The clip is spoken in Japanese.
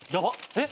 えっ？